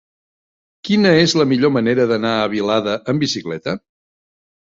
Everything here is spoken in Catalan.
Quina és la millor manera d'anar a Vilada amb bicicleta?